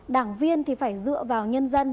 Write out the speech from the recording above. đảng viên thì phải dựa vào nhân dân